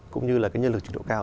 cũng như là nhân lực truyền độ cao